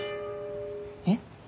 えっ？